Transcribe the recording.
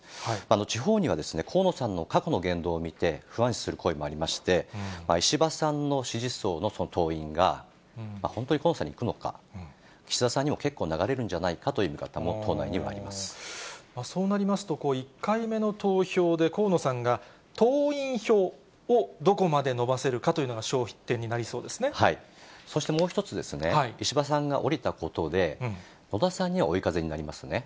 地方には、河野さんの過去の言動を見て、不安視する声もありまして、石破さんの支持層の、その党員が、本当に河野さんにいくのか、岸田さんにも結構、流れるんじゃないかという見方も党内にはありそうなりますと、１回目の投票で、河野さんが党員票をどこまで伸ばせるかというのが焦点になりそうそしてもう一つ、石破さんが降りたことで、野田さんには追い風になりますね。